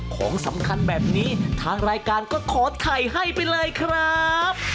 ของสำคัญแบบนี้ทางรายการก็ขอไข่ให้ไปเลยครับ